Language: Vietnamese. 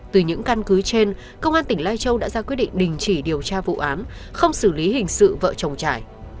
từ những căn cứ trên công an tỉnh lai châu đã ra quyết định đình chỉ điều tra vụ án không xử lý hình sự vợ chồng trải